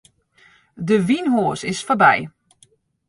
De wynhoas is foarby.